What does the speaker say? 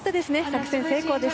作戦成功です。